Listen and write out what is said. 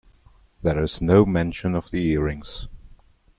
There is no mention of the earrings.